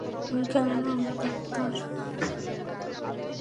কেননা আমরা ডাক্তার!